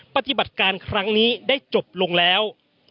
ปฏิบัติการครั้งนี้ได้จบลงแล้ว